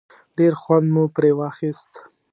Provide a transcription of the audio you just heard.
ډېر خوند مو پرې واخیست.